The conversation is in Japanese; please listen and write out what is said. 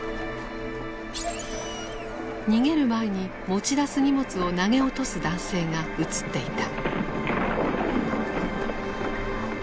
逃げる前に持ち出す荷物を投げ落とす男性が映っていた。